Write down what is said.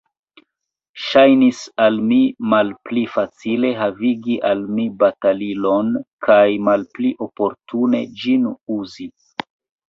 Ŝajnis al mi malpli facile, havigi al mi batalilon, kaj malpli oportune, ĝin uzi.